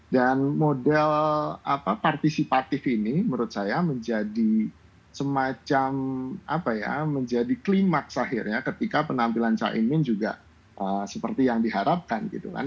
dan model apa partisipatif ini menurut saya menjadi semacam apa ya menjadi klimak akhirnya ketika penampilan caimin juga seperti yang diharapkan gitu kan